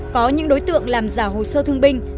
có những đối tượng làm giả hồ sơ thương binh